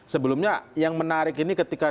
sebelumnya yang menarik ini ketika